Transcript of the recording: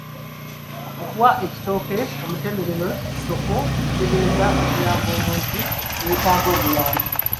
Okuwa ekitooke omutemero, kisoko ekitegeeza okuyamba omuntu eyeetaaga obuyambi.